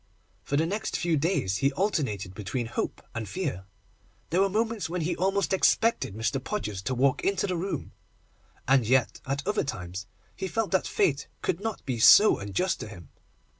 For the next few days he alternated between hope and fear. There were moments when he almost expected Mr. Podgers to walk into the room, and yet at other times he felt that Fate could not be so unjust to him.